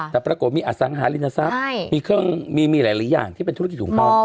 แต่ปรากฏมีอสังหารินทรัพย์มีเครื่องมีหลายอย่างที่เป็นธุรกิจของเขา